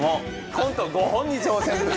コント５本に挑戦。